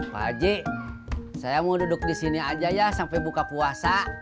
pak haji saya mau duduk di sini aja ya sampai buka puasa